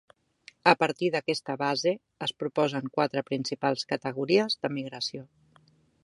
A partir d'aquesta base es proposen quatre principals categories de migració.